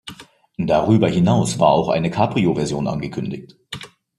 Darüber hinaus war auch eine Cabrio-Version angekündigt.